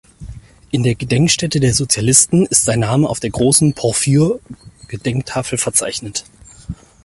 In der Gedenkstätte der Sozialisten ist sein Name auf der großen Porphyr-Gedenktafel verzeichnet.